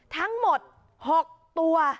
ทั้งหมด๖ตัว